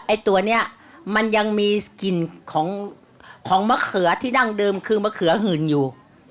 ไอ้ตัวนี้มันยังมีกลิ่นของของมะเขือที่ดั้งเดิมคือมะเขือหื่นอยู่